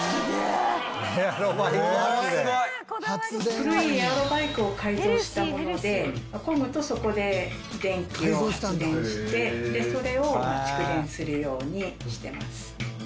古いエアロバイクを改造したものでこぐとそこで電気を発電してそれを蓄電するようにしてます。